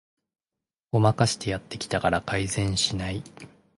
ごまかしてやってきたから改善しない